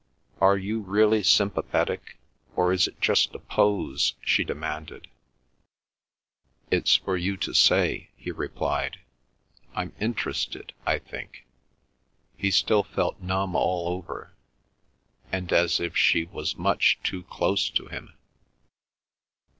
"Are you really sympathetic, or is it just a pose?" she demanded. "It's for you to say," he replied. "I'm interested, I think." He still felt numb all over and as if she was much too close to him.